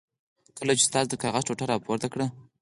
کله چې استاد د کاغذ ټوټه را پورته کړه.